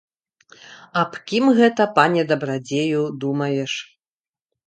Аб кім гэта, пане дабрадзею, думаеш?